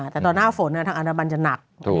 แต่ตอนหน้าฝนทางอันดามันจะหนัก